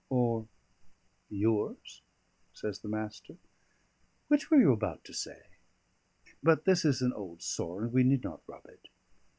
or yours?" says the Master. "Which were you about to say? But this is an old sore, and we need not rub it.